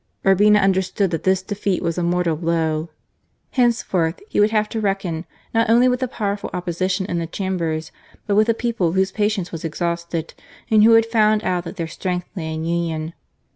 Urbina understood that this defeat was a mortal blow. Henceforth he would have to reckon not only with a powerful Opposition in the Chambers, but with a people whose patience was exhausted, anii who had found out that their strength lay in union.